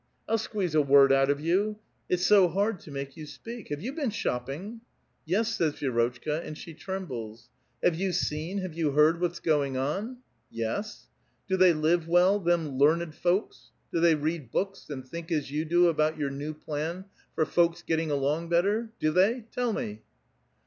I'll squeeze a word out of you ! It's so hard to make 3'ou speak. Have you been shopping ?"'* Yes," says Vi^rotchka; and she trembles. " Have you seen, have you heard, what's going on? " *'Ye8." '' Do they live well, them learned folks ? Do they read books, and think as yo\x do about your new plan for folks getting along better ? Do they ? Tell me